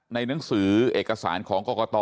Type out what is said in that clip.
หนังสือเอกสารของกรกต